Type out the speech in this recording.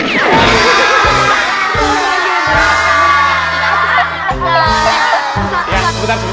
ya boleh pinjem tapi rodanya doang